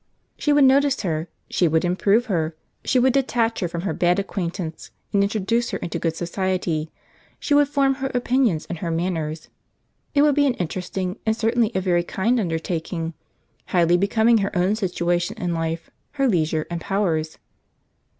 She would notice her; she would improve her; she would detach her from her bad acquaintance, and introduce her into good society; she would form her opinions and her manners. It would be an interesting, and certainly a very kind undertaking; highly becoming her own situation in life, her leisure, and powers.